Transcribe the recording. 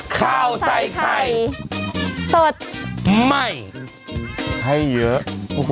ข้าวใส่ไข่สดใหม่ให้เยอะ